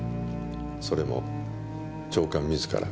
それも長官自ら。